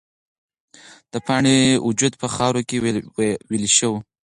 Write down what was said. د پاڼې وجود په خاوره کې ویلې شو.